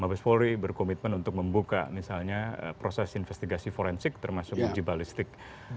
mabes polri berkomitmen untuk membuka misalnya proses investigasi forensik termasuk uji balistik